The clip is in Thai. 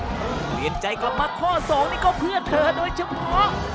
เปลี่ยนใจกลับมาข้อ๒นี่ก็เพื่อเธอโดยเฉพาะ